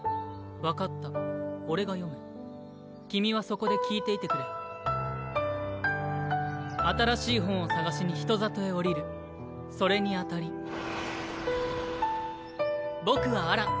分かった俺が君はそこで聞いていてくれ新しい本を探しに人里へ下僕はアラン。